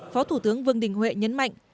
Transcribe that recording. phó thủ tướng vương đình huệ nhấn mạnh